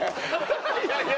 いやいや！